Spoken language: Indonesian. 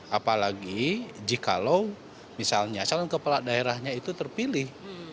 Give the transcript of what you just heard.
apalagi jikalau misalnya calon kepala daerahnya itu terpilih